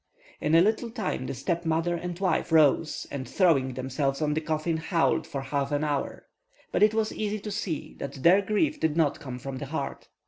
In a little time, the stepmother and wife rose, and throwing themselves on the coffin, howled for half an hour; but it was easy to see that their grief did not come from the heart.